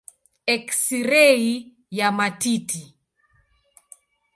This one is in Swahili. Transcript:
Eksirei ya matiti.